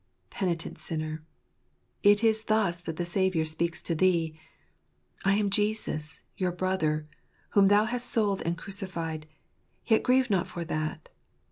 Penitent sinner ! it is thus that thy Saviour speaks to thee. " I am Jesus, your brother, whom thou hast sold and crucified ; yet grieve not for that.